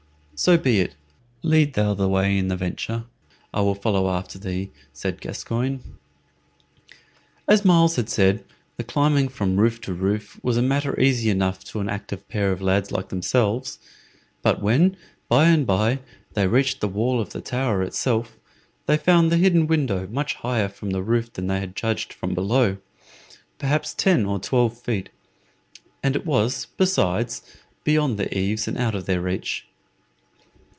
"So be it. Lead thou the way in the venture, I will follow after thee," said Gascoyne. As Myles had said, the climbing from roof to roof was a matter easy enough to an active pair of lads like themselves; but when, by and by, they reached the wall of the tower itself, they found the hidden window much higher from the roof than they had judged from below perhaps ten or twelve feet and it was, besides, beyond the eaves and out of their reach.